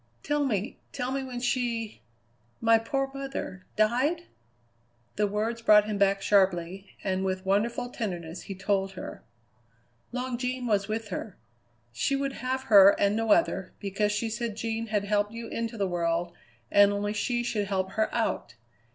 "Tell me, tell me when she, my poor mother, died?" The words brought him back sharply, and with wonderful tenderness he told her. "Long Jean was with her. She would have her and no other, because she said Jean had helped you into the world and only she should help her out.